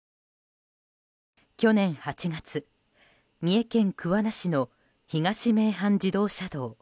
去年８月、三重県桑名市の東名阪自動車道。